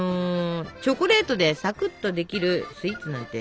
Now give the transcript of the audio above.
チョコレートでさくっとできるスイーツなんてある？